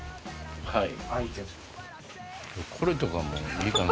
はい。